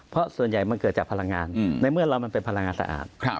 เพราะส่วนใหญ่มันเกิดจากพลังงานในเมื่อเรามันเป็นพลังงานสะอาด